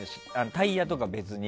タイヤとかとは別に。